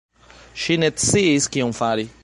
Ŝi ne sciis kion fari.